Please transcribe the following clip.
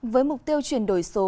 với mục tiêu chuyển đổi số